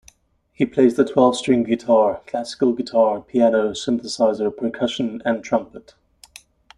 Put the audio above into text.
He plays the twelve-string guitar, classical guitar, piano, synthesizer, percussion and trumpet.